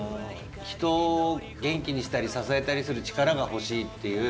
人を元気にしたり支えたりする力が欲しいっていう。